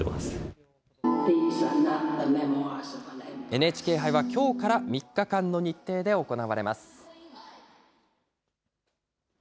ＮＨＫ杯はきょうから３日間の日程で行われます。